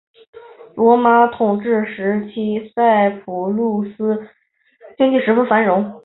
罗马统治时期塞浦路斯经济十分繁荣。